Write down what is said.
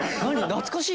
懐かしい？